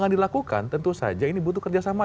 dia mau mengatakan bahwa